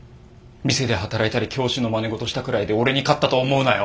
店で働いたり教師のまねごとしたくらいで俺に勝ったと思うなよ。